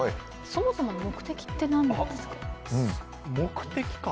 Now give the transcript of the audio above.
そもそもの目的って何ですか？